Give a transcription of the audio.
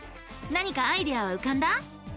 何かアイデアはうかんだ？